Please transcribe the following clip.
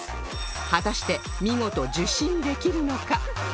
果たして見事受信できるのか？